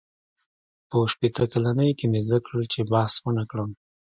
• په شپېته کلنۍ کې مې زده کړل، چې بحث ونهکړم.